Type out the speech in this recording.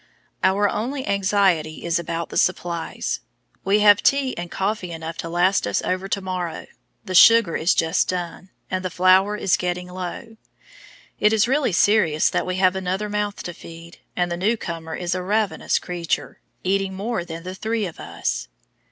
Our only anxiety is about the supplies. We have tea and coffee enough to last over to morrow, the sugar is just done, and the flour is getting low. It is really serious that we have "another mouth to feed," and the newcomer is a ravenous creature, eating more than the three of us.